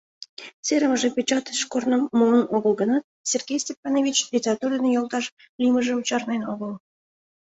Серымыже печатьыш корным муын огыл гынат, Сергей Степанович литератур дене йолташ лиймыжым чарнен огыл.